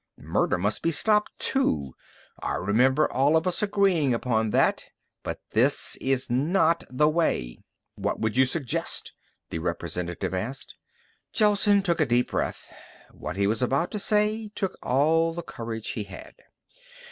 "Murder must be stopped, too. I remember all of us agreeing upon that. But this is not the way!" "What would you suggest?" the representative asked. Gelsen took a deep breath. What he was about to say took all the courage he had.